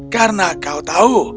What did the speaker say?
karena kau tahu